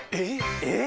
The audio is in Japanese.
えっ？